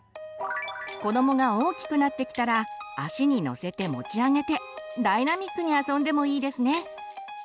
子どもが大きくなってきたら足に乗せて持ち上げてダイナミックに遊んでもいいですね。